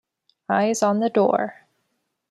Eyes on the door.